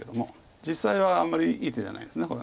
実際はあんまりいい手じゃないですこれ。